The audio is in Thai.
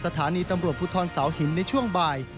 สถานีตำรวจภูทรเสาหินในช่วงบ่าย